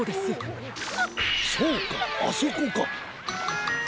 そうかあそこか！